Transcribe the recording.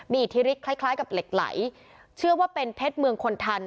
มีอิทธิฤทธคล้ายคล้ายกับเหล็กไหลเชื่อว่าเป็นเพชรเมืองคนทัน